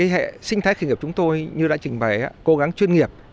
hệ sinh thái khởi nghiệp chúng tôi như đã trình bày cố gắng chuyên nghiệp